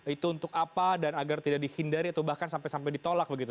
itu untuk apa dan agar tidak dihindari atau bahkan sampai sampai ditolak begitu